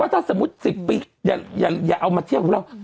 ถ้าสมมุติ๑๐ปีอย่าเอามาเที่ยวของเรา